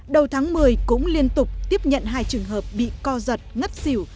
đầu tháng một mươi cũng liên tục tiếp nhận hai trường hợp bị co giật ngất xỉu